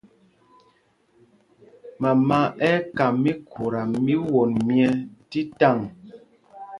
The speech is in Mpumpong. Mama ɛ́ ɛ́ ka míkhuta mí won myɛ́ tí taŋ.